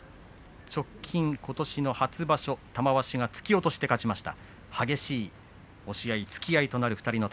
直近ことしの初場所玉鷲が突き落としで勝ちました。